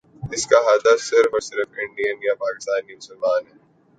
اس کا ہدف صرف اور صرف انڈین یا پاکستانی مسلمان ہیں۔